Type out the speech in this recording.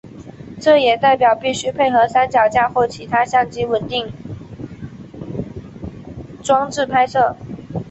这也代表必须配合三脚架或其他相机稳定装置拍摄。